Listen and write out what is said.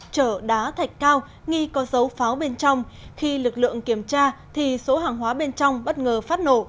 trở đá thạch cao nghi có dấu pháo bên trong khi lực lượng kiểm tra thì số hàng hóa bên trong bất ngờ phát nổ